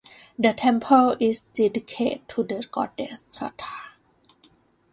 The temple is dedicated to the goddess Radha.